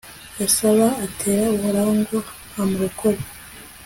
yasaba ate uhoraho ngo amurokore